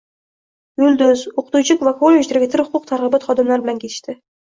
Yulduz, o`qituvchi va kollej direktori huquq-tartibot xodimlari bilan ketishdi